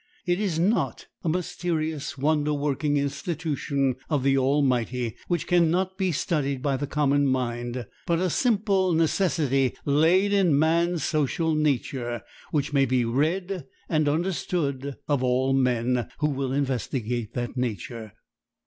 It is not a mysterious, wonder working institution of the Almighty, which can not be studied by the common mind, but a simple necessity laid in man's social nature, which may be read and understood of all men who will investigate that nature.